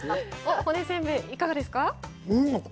骨せんべいいかがですか？